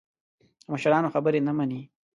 د مشرانو خبرې نه مني.